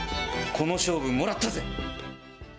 この勝負、もらったぜ！